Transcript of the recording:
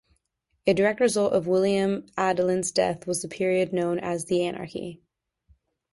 A direct result of William Adelin's death was the period known as the Anarchy.